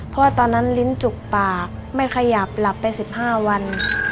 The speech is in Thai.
เพราะตอนนั้นลิ้นจุกปากไม่ขยับหลับไป๑๕วัน